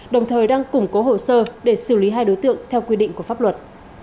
đồng thời đang củng cố hồ sơ để xử lý hai đối tượng theo quy định của pháp luật